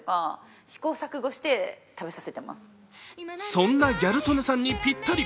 そんなギャル曽根さんにぴったり。